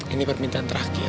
ini permintaan terakhir